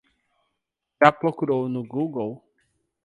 Já procurou no Google?